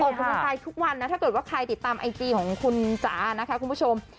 กำลังใจทุกวันนะถ้าเกิดว่าใครติดตามไอจีของคุณจ๋านะคะคุณผู้ชม